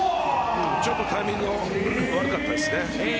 タイミングが悪かったですね。